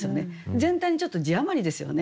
全体にちょっと字余りですよね。